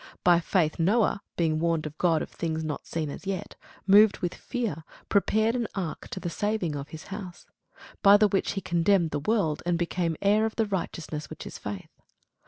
By faith Noah, being warned of God of things not seen as yet, moved with fear, prepared an ark to the saving of his house; by the which he condemned the world, and became heir of the righteousness which is by faith.